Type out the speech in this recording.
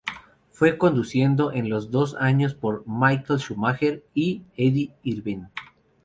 Fue conducido en los dos años por Michael Schumacher y Eddie Irvine.